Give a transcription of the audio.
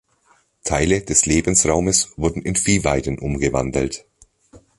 Teile des Lebensraumes wurden in Viehweiden umgewandelt.